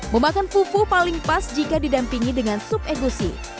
memakan fufu paling pas jika didampingi dengan sup egusi